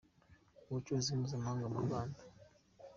Ubucuruzi mpuzamahanga mu Rwanda.